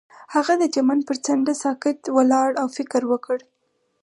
هغه د چمن پر څنډه ساکت ولاړ او فکر وکړ.